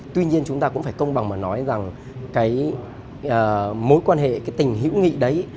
tuy nhiên chúng ta cũng phải công bằng mà nói rằng mối quan hệ tình hữu nghị đấy